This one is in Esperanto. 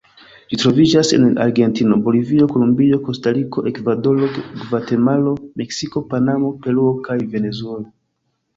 Ĝi troviĝas en Argentino, Bolivio, Kolumbio, Kostariko, Ekvadoro, Gvatemalo, Meksiko, Panamo, Peruo kaj Venezuelo.